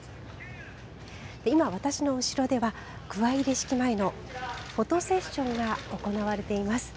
今、私の後ろではフォトセッションが行われています。